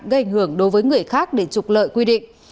gây ảnh hưởng đối với người khác để trục lợi quy định